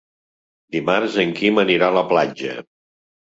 Dimarts en Quim anirà a la platja.